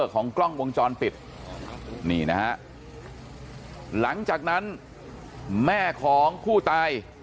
ของกล้องวงจรปิดนี่นะฮะหลังจากนั้นแม่ของผู้ตาย